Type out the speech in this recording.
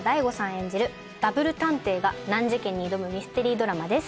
演じるダブル探偵が難事件に挑むミステリードラマです。